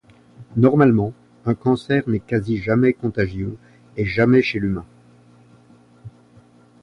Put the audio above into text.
Normalement un cancer n'est quasi-jamais contagieux, et jamais chez l'humain.